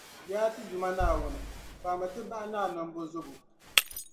Yaa ti Duuma Naawuni, faami ti bahi ni a nambɔzɔbo.